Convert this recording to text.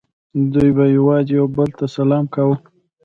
دوی به یوازې یو بل ته سلام کاوه